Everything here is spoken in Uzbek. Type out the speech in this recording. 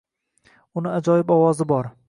Uni ajoyib ovozi bor.